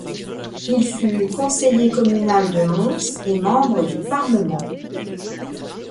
Il fut conseiller communal de Mons et membre du parlement.